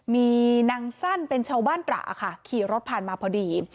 มีนางสั้นเป็นเช้าบ้านประอ่ะค่ะขี่รถพันธ์มาพอดี